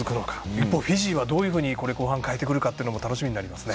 一方、フィジーはどういうふうに後半、変えてくるのかというのも楽しみになりますね。